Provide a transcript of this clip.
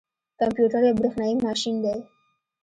کمپيوټر یو بریښنايي ماشین دی